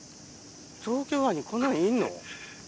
東京湾にこんなのいんの？